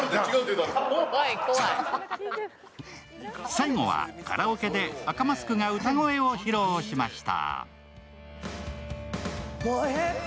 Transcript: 最後はカラオケで赤マスクが歌声を披露しました。